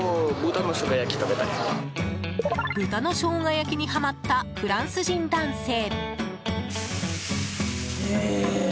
豚のショウガ焼きにハマったフランス人男性。